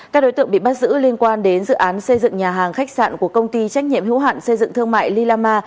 các đối tượng bị bắt giữ liên quan đến dự án xây dựng nhà hàng khách sạn của công ty trách nhiệm hữu hạn xây dựng thương mại lila ma